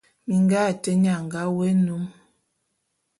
Minga ate nnye a nga wôé nnôm.